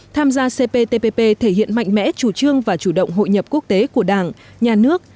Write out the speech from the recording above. tham gia cptpp thể hiện mạnh mẽ chủ trương và chủ động hội nhập quốc tế của đảng nhà nước